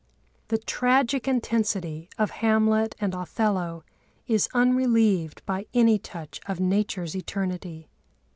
The tragic intensity of Hamlet and Othello is unrelieved by any touch of Nature's eternity.